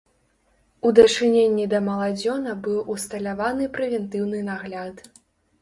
У дачыненні да маладзёна быў усталяваны прэвентыўны нагляд.